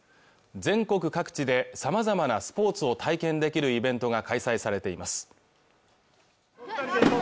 全国各地でさまざまなスポーツを体験できるイベントが開催されています